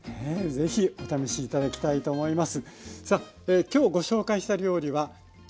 是非お試し頂きたいと思います。